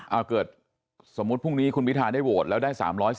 เอาเกิดสมมุติพรุ่งนี้คุณพิทาได้โหวตแล้วได้๓๔